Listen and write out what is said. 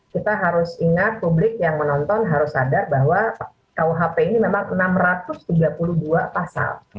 kita harus ingat publik yang menonton harus sadar bahwa kuhp ini memang enam ratus tiga puluh dua pasal